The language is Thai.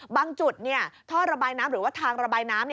บางจุดท่อระบายน้ำหรือว่าทางระบายน้ำ